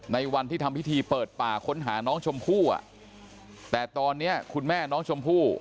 ในวันที่ทำพิธีเปิดป่าค้นหาน้องชมพู่อ่ะแต่ตอนนี้คุณแม่น้องชมพู่